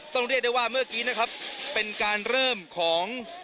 เรียกได้ว่าเมื่อกี้นะครับเป็นการเริ่มของ